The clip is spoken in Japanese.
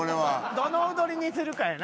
どの踊りにするかやな。